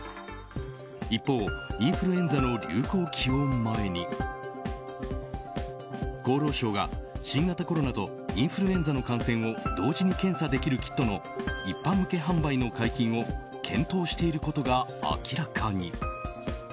一方、インフルエンザの流行期を前に厚労省が新型コロナとインフルエンザの感染を同時に検査できるキットの一般向け販売の解禁を検討していることが明らかに。